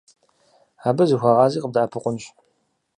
Абы зыхуэгъази къыбдэӀэпыкъунщ.